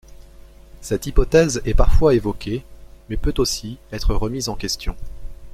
Cette hypothèse est parfois évoquée mais peut aussi être remise en question.